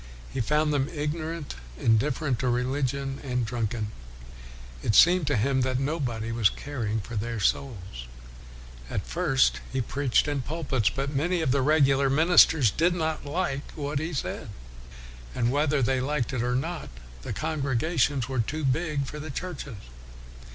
He found them ignorant, indifferent to reli gion, and drunken. It seemed to him that nobody was caring for their souls. At first he preached in pulpits, but many of the regular ministers did not like what he said. And whether they liked it or not, the congregations were too big for the churches.